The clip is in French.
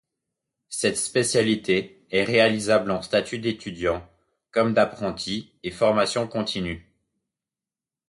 Cette spécialité est réalisable en statut d'étudiant comme d'apprenti et formation continue.